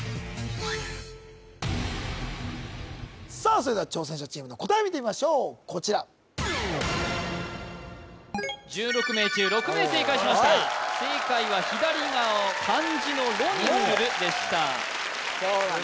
それでは挑戦者チームの答え見てみましょうこちら１６人中６名正解しました正解は左側を漢字の「呂」にするでしたそうなんだ